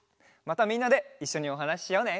またみんなでいっしょにおはなししようね。